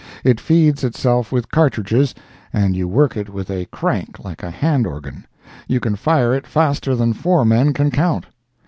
It feeds itself with cartridges, and you work it with a crank like a hand organ; you can fire it faster than four men can count.